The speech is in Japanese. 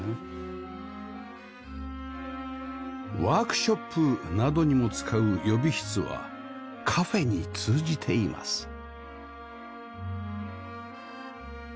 ワークショップなどにも使う予備室はカフェに通じています